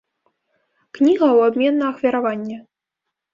Кніга ў абмен на ахвяраванне!